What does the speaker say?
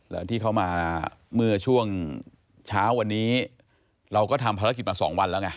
แล้วที่เขามาเมื่อช่วงเช้าวันนี้เราก็ทำภารกิจมา๒วันแล้วไง